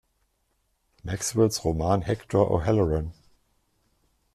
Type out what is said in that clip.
Maxwells Roman "Hector O’Halloran".